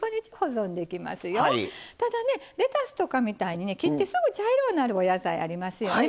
レタスとかみたいにね切ってすぐ茶色になるお野菜ありますよね。